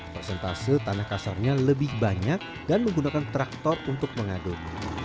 persentase tanah kasarnya lebih banyak dan menggunakan traktor untuk mengaduk